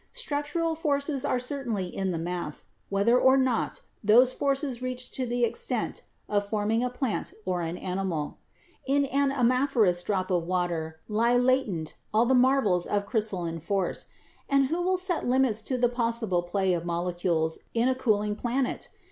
Struc tural forces are certainly in the mass, whether or not those forces reach to the extent of forming a plant or an animal. In an amorphous drop of water lie latent all the marvels of crystalline force ; and who will set limits to the possible play of molecules in a cooling planet?